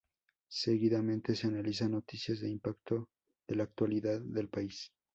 Seguidamente, se analizan noticias de impacto de la actualidad del país.